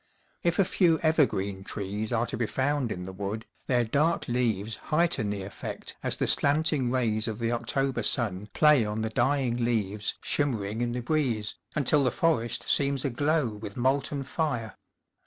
If a few evergreen trees are to be found in the wood, their dark leaves heighten the effect as the slanting rays of the October sun play on the dying leaves shimmering in the breeze, until the forest seems aglow with molten fire.